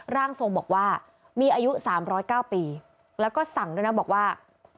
ร่างทรงบอกว่ามีอายุ๓๐๙ปีแล้วก็สั่งด้วยนะบอกว่า